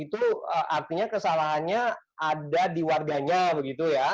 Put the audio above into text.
itu artinya kesalahannya ada di warganya begitu ya